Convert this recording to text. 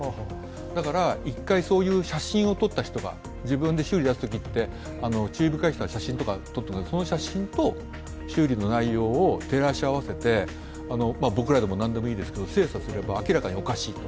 だから、一回そういう写真を撮った人が自分で修理に出したときに写真を撮る、その写真と修理の内容を照らし合わせて僕らでも何でもいいですけど、精査すれば明らかにおかしいと。